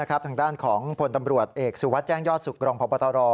ทางด้านของพลตำรวจเอกสุวัสดิแจ้งยอดสุขรองพบตร